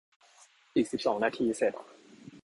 อีกสิบสองนาทีเสร็จ